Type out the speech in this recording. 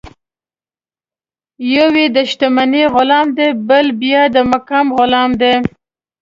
یو یې د شتمنۍ غلام دی، بل بیا د مقام غلام دی.